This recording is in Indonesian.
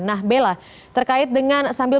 nah bella terkait dengan sambil